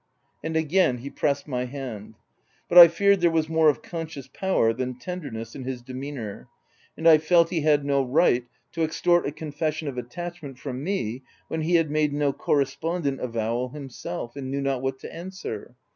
And again he pressed my hand ; but I feared there was more of conscious power than ten derness in his demeanour, and I felt he had no right to extort a confession of attachment from me when he had made no correspondent avowal himself, and knew not what to answer.